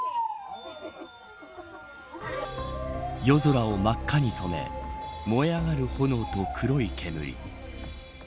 夜空を真っ赤に染め燃え上がる炎と黒い煙。